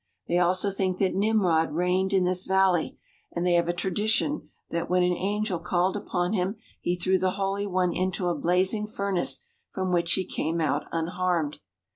They also think that Nimrod reigned in this valley, and they have a tradition that when an angel called upon him he threw the holy one into a blazing furnace from which he came out unharmed.